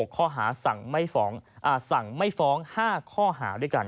สั่งฟ้องนายเปรมชัย๖ข้อหาสั่งไม่ฝอง๕ข้อหาด้วยกัน